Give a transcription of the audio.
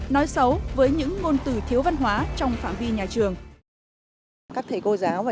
nói xấu với những ngôn từ thiếu văn hóa